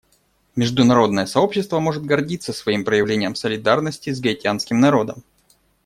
Международное сообщество может гордиться своим проявлением солидарности с гаитянским народом.